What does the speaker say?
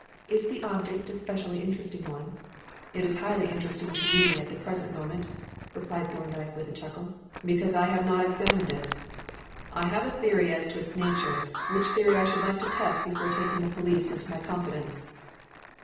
Is the object a specially interesting one?" "It is highly interesting to me at the present moment," replied Thorndyke, with a chuckle, "because I have not examined it. I have a theory as to its nature, which theory I should like to test before taking the police into my confidence."